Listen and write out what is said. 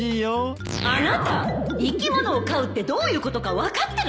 あなた生き物を飼うってどういうことか分かってるの？